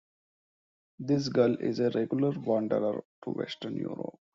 This gull is a regular wanderer to western Europe.